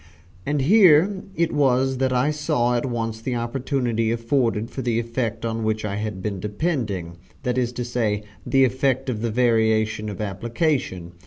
And here it was that I saw at once the opportunity afforded for the effect on which I had been depending, that is to say, the effect of the variation of application.